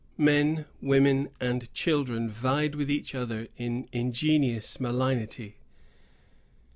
Men, women, and children vied with each other in ingenious malignity.